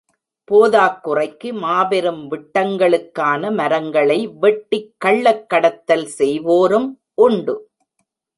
போதாக் குறைக்கு, மாபெரும் விட்டங்களுக்கான மரங்களை வெட்டிக் கள்ளக் கடத்தல் செய்வோரும் உண்டு.